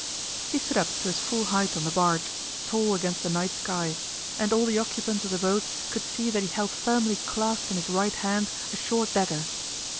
He stood up to his full height on the barge, tall against the night sky, and all the occupants of the boat could see that he held firmly clasped in his right hand a short dagger.